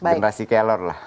ya generasi kelor lah